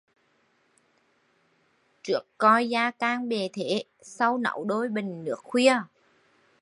Trước coi gia cang bề thế, sau nấu đôi bình nước khuya